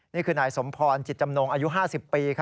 นี่คือนายสมพรจิตจำนงอายุ๕๐ปี